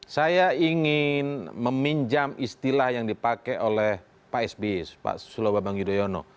saya ingin meminjam istilah yang dipakai oleh pak sby pak sulobambang yudhoyono